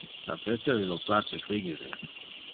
A Peter illo place frigide.